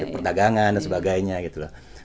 perdagangan dan sebagainya gitu loh